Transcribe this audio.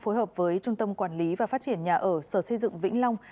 phối hợp với trung tâm quản lý và phát triển nhà ở sở xây dựng vĩnh long